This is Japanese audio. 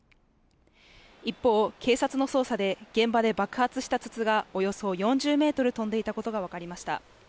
一方、警察の捜査で、現場で爆発した筒がおよそ４０ｍ飛んでいたことがわかりました。